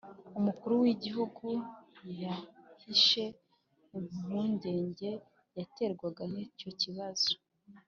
umukuru w'igihugu ntiyahishe impungenge yaterwaga n'icyo kibazo.